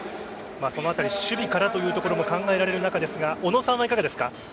そのあたり守備からというところも考えられる中ですが小野さんはいかがですか？